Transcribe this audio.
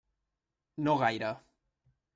No gaire.